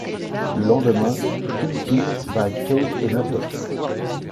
Le lendemain Cryme Tyme bat Cade et Murdoch.